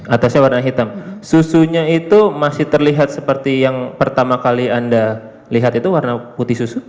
atasnya warna hitam susunya itu masih terlihat seperti yang pertama kali anda lihat itu warna putih susu